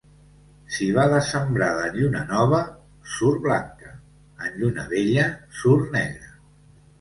Civada sembrada en lluna nova, surt blanca; en lluna vella, surt negra.